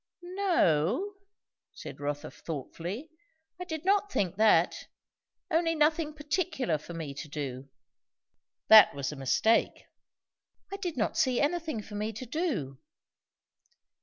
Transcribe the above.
"N o," said Rotha thoughtfully; "I did not think that. Only nothing particular for me to do." "That was a mistake." "I did not see anything for me to do."